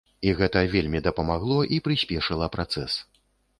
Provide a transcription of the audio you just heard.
І гэта вельмі дапамагло і прыспешыла працэс.